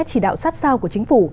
chỉ đạo sát sao của chính phủ